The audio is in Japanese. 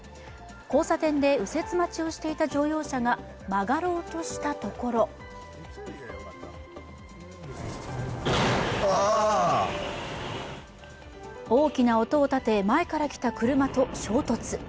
交差点で右折待ちをしていた乗用車が曲がろうとしたところ大きな音を立て、前から来た車と衝突。